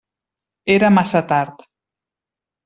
Era massa tard.